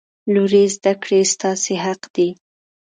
لورې! زده کړې ستاسې حق دی.